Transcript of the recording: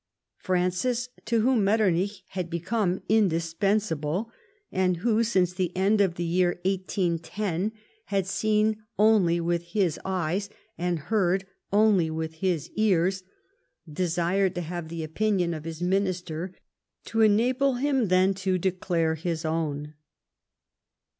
Francis, to whom Metternich had become indisjiensable, and who, since the end of the year 1810, had seen only with his eyes, and heard only with his ears, desired to have the opinion of his minister, to enabh; him then to declare his own.